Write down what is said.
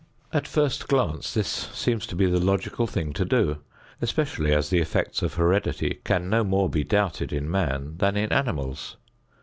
At first glance this seems to be the logical thing to do, especially as the effects of heredity can no more be doubted in man than in animals.